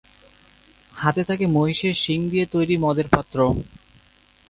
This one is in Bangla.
হাতে থাকে মহিষের শিং দিয়ে তৈরি মদের পাত্র।